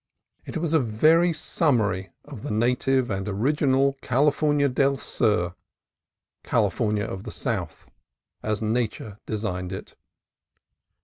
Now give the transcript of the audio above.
It was a very sum mary of the native and original California del Sur, California of the South, as Nature designed it.